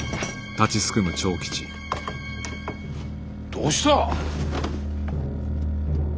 どうした？